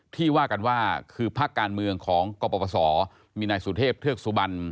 ที่ว่ากันว่าคือพักการเมืองของกฎประสอร์มินายสุเทพเทือกสุบรรณ